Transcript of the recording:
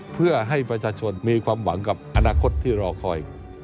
เพื่อให้ประชาชนมีความหวังกับอนาคตที่รอคอย